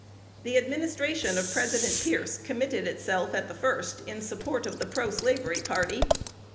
The administration of President Pierce committed itself at the first in support of the proslavery party.